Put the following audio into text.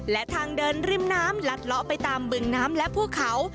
และทางเดินริมน้ำลัดเลาะไปตามบึงน้ำและภูเขา